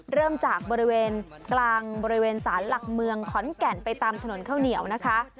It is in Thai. เริ่มจากบริเวณกลางบริเวณสารหลักเมืองขอนแก่นไปตามถนนข้าวเหนียวนะคะ